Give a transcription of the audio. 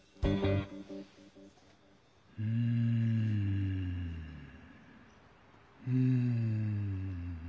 うんうん。